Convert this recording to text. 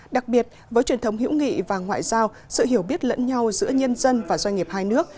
đặc biệt với truyền thống hữu nghị và ngoại giao sự hiểu biết lẫn nhau giữa nhân dân và doanh nghiệp hai nước